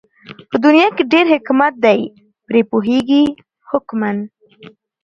په دنيا کې ډېر حکمت دئ پرې پوهېږي حُکَما